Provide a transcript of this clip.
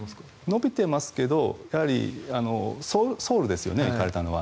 伸びてますけどソウルですよね、行かれたのは。